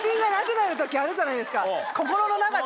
じゃないですか。